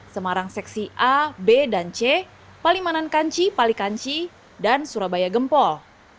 semarang seksi a b dan c palimanan kanci palikanci dan surabaya gempol